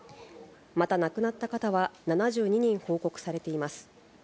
また、亡くなった方は７２人報告されています。